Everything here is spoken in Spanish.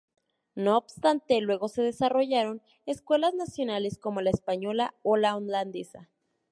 No obstante, luego se desarrollaron escuelas nacionales como la española o la holandesa.